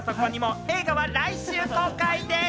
映画は来週公開です。